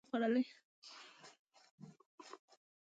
ستن می لګولی خو ګولی نسم خوړلای